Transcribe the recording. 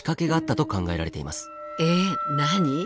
えっ何？